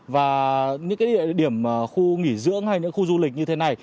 và những địa điểm khu nghỉ dưỡng hay những khu du lịch như thế này